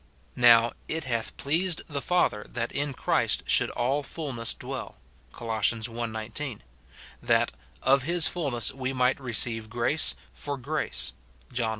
Now, " it hath pleased the Father that in Christ should all fulness dwell," Col. i. 19 ; that " of his fulness we might receive grace for grace," John i.